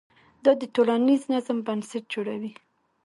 دا د ټولنیز نظم بنسټ جوړوي.